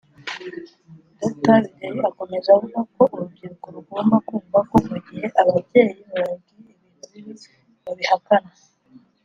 Dr Bideri akomeza avuga ko urubyiruko rugomba kumva ko mu gihe ababyeyi bababwiye ibintu bibi babihakana